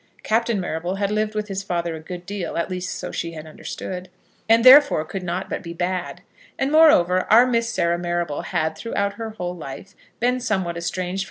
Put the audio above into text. Captain Marrable had lived with his father a good deal, at least, so she had understood, and therefore could not but be bad. And, moreover, our Miss Sarah Marrable had, throughout her whole life, been somewhat estranged from the elder branches of the family.